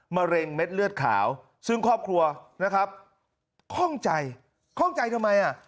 มะเร็งเม็ดเลือดขาวซึ่งครอบครัวนะครับข้องใจคล่องใจทำไมอ่ะ